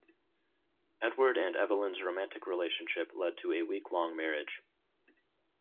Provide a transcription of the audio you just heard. Edward and Evelyn's romantic relationship led to a week-long marriage.